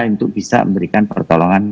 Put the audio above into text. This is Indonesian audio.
untuk bisa memberikan pertolongan